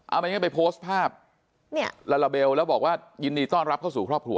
เอาไม่งั้นไปโพสต์ภาพเนี่ยลาลาเบลแล้วบอกว่ายินดีต้อนรับเข้าสู่ครอบครัว